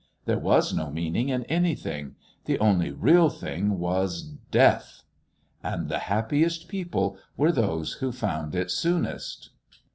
There was no meaning in anything. The only real thing was DEATH. And the happiest people were those who found it soonest.